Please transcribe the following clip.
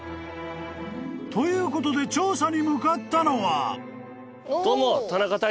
［ということで調査に向かったのは］